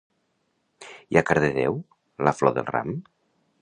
I a Cardedeu la flor del ram?